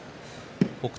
北勝